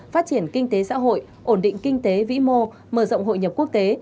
phát triển kinh tế xã hội ổn định kinh tế vĩ mô mở rộng hội nhập quốc tế